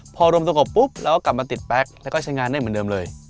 พอลมสงบปุ๊บเราก็กลับมาติดแป๊กแล้วก็ใช้งานได้เหมือนเดิมเลย